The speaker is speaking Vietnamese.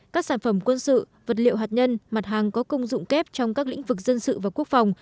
các sản phẩm quân sự vật liệu hạt nhân mặt hàng có công dụng kép trong các lĩnh vực dân sự và quốc phòng